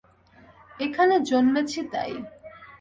এখানে জন্মেছি তাই।